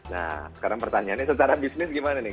nah sekarang pertanyaannya secara bisnis gimana nih